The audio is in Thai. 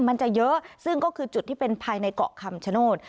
มันจะเยอะซึ่งก็คือจุดที่เป็นภายในเกาะคำชโนธ